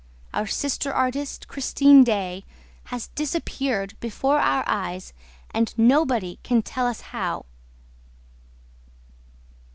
Our sister artist, Christine Daae, has disappeared before our eyes and nobody can tell us how!"